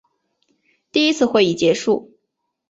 第一次会议结束。